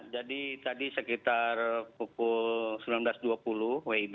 jadi tadi sekitar pukul sembilan belas dua puluh wib